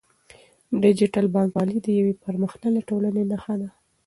ډیجیټل بانکوالي د یوې پرمختللې ټولنې نښه ده.